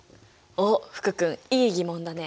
おっ福君いい疑問だね！